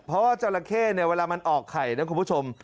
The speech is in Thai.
เพราะว่าจราเข้เนี่ยเวลามันออกไข่นะคุณผู้ชม